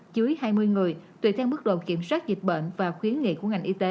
dưới hai mươi người tùy theo mức độ kiểm soát dịch bệnh và khuyến nghị của ngành y tế